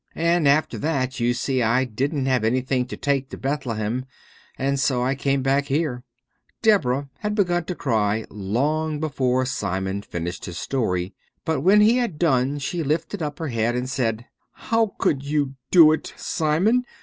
And after that, you see, I didn't have anything to take to Bethlehem, and so I came back here." Deborah had begun to cry long before Simon finished his story, but when he had done she lifted up her head and said, "How could you do it, Simon?